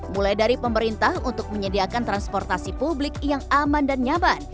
mulai dari pemerintah untuk menyediakan transportasi publik yang aman dan nyaman